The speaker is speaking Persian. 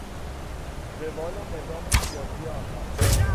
زوال نظام سیاسی آنها